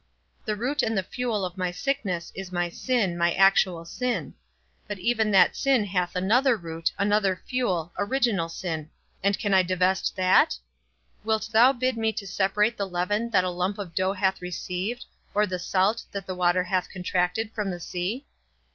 The root and the fuel of my sickness is my sin, my actual sin; but even that sin hath another root, another fuel, original sin; and can I divest that? Wilt thou bid me to separate the leaven that a lump of dough hath received, or the salt, that the water hath contracted, from the sea?